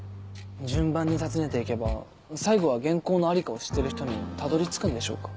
順番に訪ねて行けば最後は原稿の在りかを知ってる人にたどり着くんでしょうか？